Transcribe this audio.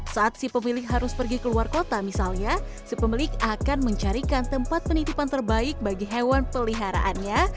saat si pemilik harus pergi ke luar kota misalnya si pemilik akan mencarikan tempat penitipan terbaik bagi hewan peliharaannya